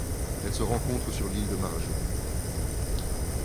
Elle se rencontre sur l'île de Marajó.